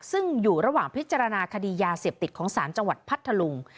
ซึ่งอยู่ระหว่างพิจารณาคดียาเสพติดของศาลจังหวัดพัทธลุง